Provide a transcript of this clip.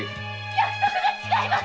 約束が違います‼